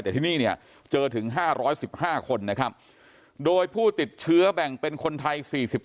แต่ที่นี่เนี่ยเจอถึง๕๑๕คนนะครับโดยผู้ติดเชื้อแบ่งเป็นคนไทย๔๒